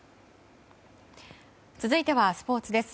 続いてはスポーツです。